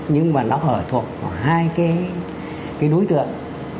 nhưng mà nó ở thuộc hai cái đối tượng